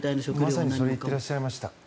まさにそれを言っていらっしゃいました。